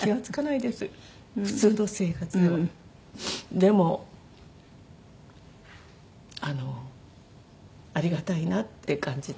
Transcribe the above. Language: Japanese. でもあのありがたいなっていう感じで。